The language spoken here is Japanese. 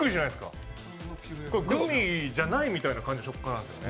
グミじゃないみたいな食感なんですね。